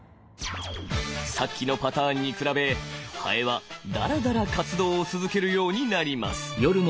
さっきのパターンに比べハエはダラダラ活動を続けるようになります。